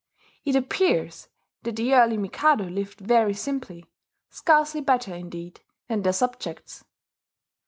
It appears that the early Mikado lived very simply scarcely better, indeed, than their subjects.